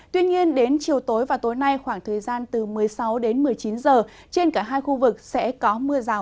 tuy nhiên đến chiều tối và tối nay khoảng thời gian từ một mươi sáu đến một mươi chín giờ trên cả hai khu vực sẽ có mưa rào